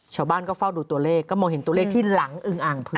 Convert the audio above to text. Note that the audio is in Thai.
ชาวบ้านก็เฝ้าดูตัวเลขก็มองเห็นตัวเลขที่หลังอึงอ่างเผื่อ